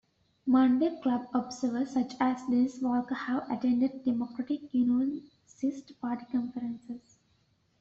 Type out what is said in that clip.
Monday Club observers, such as Denis Walker, have attended Democratic Unionist Party conferences.